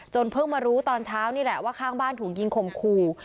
เพิ่งมารู้ตอนเช้านี่แหละว่าข้างบ้านถูกยิงข่มขู่